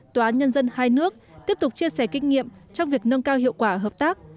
tòa án nhân dân hai nước tiếp tục chia sẻ kinh nghiệm trong việc nâng cao hiệu quả hợp tác